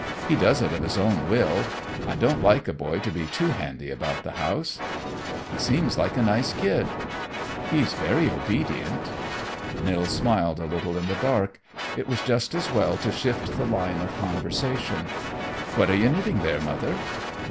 He does it of his own will; I don't like a boy to be too handy about the house." "He seems like a nice kid." "He's very obedient." Nils smiled a little in the dark. It was just as well to shift the line of conversation. "What are you knitting there, Mother?"